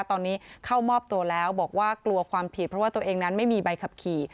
ตอนนี้เข้ามอบตัวแล้วบอกว่ากลัวความผิดเพราะว่าตัวเองนั้นไม่มีใบขับขี่